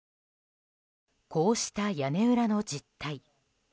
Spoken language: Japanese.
こうした屋根裏の実態。